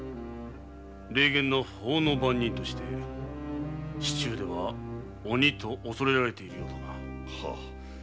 冷厳な法の番人として市中では鬼と恐れられているようだな。